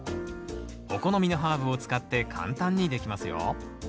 お好みのハーブを使って簡単にできますよ。